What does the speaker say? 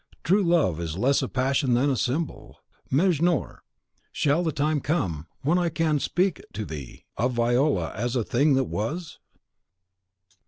True love is less a passion than a symbol. Mejnour, shall the time come when I can speak to thee of Viola as a thing that was?